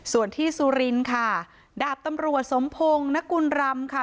ส่วนที่สุรินทร์ค่ะดาบตำรวจสมพงศ์นกุลรำค่ะ